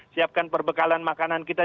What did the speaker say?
siapkan perbekalan makanan kita